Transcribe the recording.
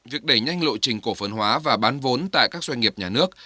việc đẩy nhanh lộ trình cổ phần hóa và bán vốn tại các doanh nghiệp nhà nước